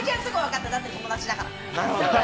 だって、友達だから。